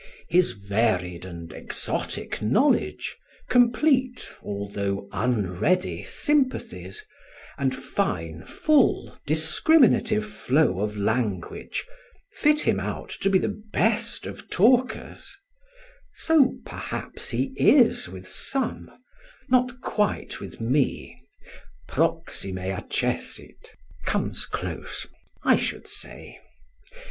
His various and exotic knowledge, complete although unready sympathies, and fine, full, discriminative flow of language, fit him out to be the best of talkers; so perhaps he is with some, not quite with me proxime accessit, I should say.